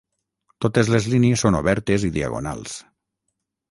Totes les línies són obertes i diagonals.